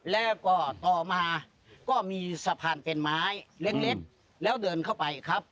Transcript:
แล้วก็ต่อมาก็มีสะพานเป็นไม้เล็กแล้วเดินเข้าไปครับ